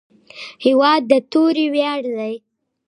هېواد د توري ویاړ دی.